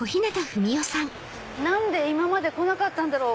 何で今まで来なかったんだろう！